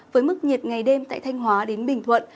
với mức nhiệt ngày đêm tại thanh hóa đến bình thuận